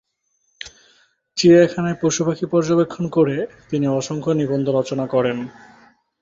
চিড়িয়াখানায় পশুপাখি পর্যবেক্ষণ করে তিনি অসংখ্য নিবন্ধ রচনা করেন।